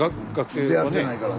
スタジオ出会ってないからね。